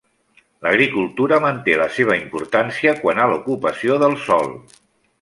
L'agricultura manté la seva importància quant a l'ocupació del sòl.